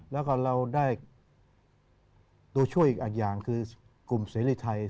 แล้วก็เราได้ตัวช่วยอีกอย่างคือกลุ่มเสรีไทย